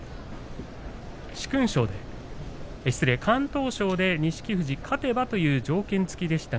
今場所は敢闘賞で錦富士勝てばという条件付きでした。